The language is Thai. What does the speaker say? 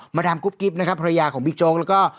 ดามกุ๊บกิ๊บนะครับภรรยาของบิ๊กโจ๊กแล้วก็